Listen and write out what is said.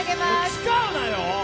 使うなよ！